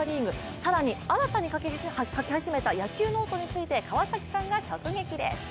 更に、新たに書き始めた野球ノートについて川崎さんが直撃です。